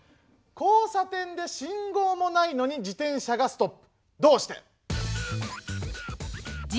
「交差点で信号もないのに自転車がストップ。